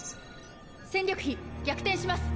戦力比逆転します。